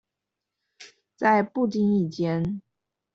在不經意間